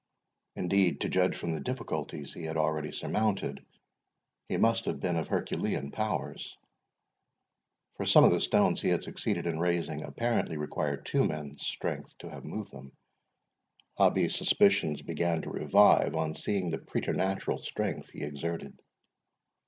Indeed, to judge from the difficulties he had already surmounted, he must have been of Herculean powers; for some of the stones he had succeeded in raising apparently required two men's strength to have moved them. Hobbie's suspicions began to revive, on seeing the preternatural strength he exerted.